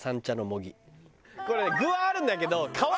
これね具はあるんだけど皮もね。